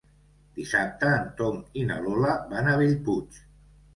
Dissabte en Tom i na Lola van a Bellpuig.